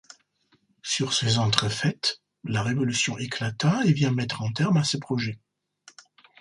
Sur ces entrefaites, la Révolution éclata et vient mettre un terme à ce projet.